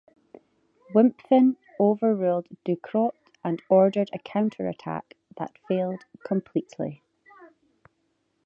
Wimpffen overruled Ducrot, and ordered a counterattack that failed completely.